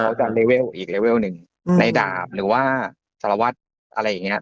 อาจารย์เลเวลอีกเลเวลหนึ่งในดาบหรือว่าสารวัตรอะไรอย่างเงี้